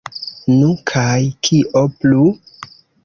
Nu, kaj kio plu?